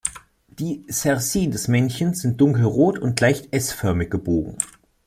Die Cerci des Männchens sind dunkelrot und leicht s-förmig gebogen.